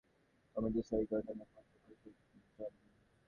কমিটির সই করে নেবে প্রত্যেক খরচের জন্য।